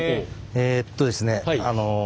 えっとですね